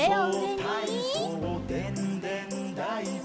「かいそうたいそうでんでんだいこ」